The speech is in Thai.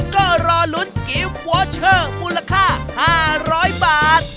ก็รอลุ้นกิฟต์วอเชอร์มูลค่า๕๐๐บาท